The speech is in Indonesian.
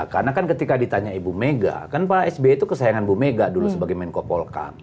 karena kan ketika ditanya ibu megang kan pak sby itu kesayangan ibu megang dulu sebagai menko polkam